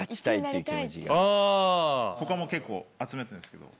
他も結構集めたんすけど。